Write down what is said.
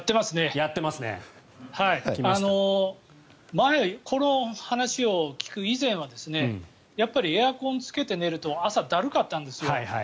前、この話を聞く以前は朝エアコンをつけて寝ると朝、だるかったんですよ。